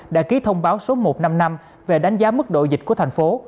đã ký thông báo số một trăm năm mươi năm về đánh giá mức độ dịch của thành phố